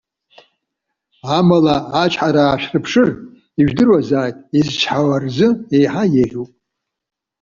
Амала, ачҳара аашәырԥшыр, ижәдыруазааит, изычҳауа рзы еиҳа еиӷьуп.